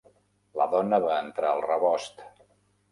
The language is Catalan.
La dona va entrar al rebost.